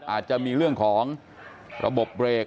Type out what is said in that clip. อาจจะมีเรื่องของระบบเบรก